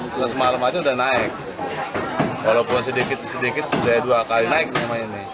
lalu semalam aja udah naik walaupun sedikit sedikit saya dua kali naik memang ini